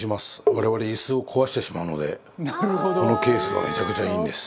我々、イスを壊してしまうのでこのケースがめちゃくちゃいいんです。